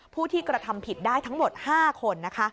ผู้ที่กระทำผิดได้ทั้งหมด๕คนนะคะ